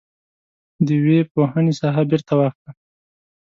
د ويي پوهنې ساحه بیرته واخله.